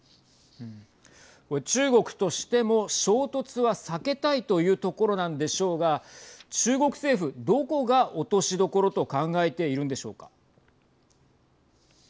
これ中国としても衝突は避けたいというところなんでしょうが中国政府、どこが落としどころと考えているんでしょうか。